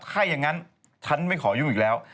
ถ้าอย่างนั้นฉันไม่ขอยุ่งอีกแล้ว